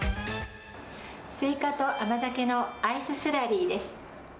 スイカと甘酒のアイススラリーです。